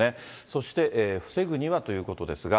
そして防ぐにはということですが。